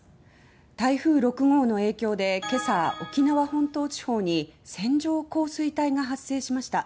台風６号の影響でけさ沖縄本島地方に線状降水帯が発生しました。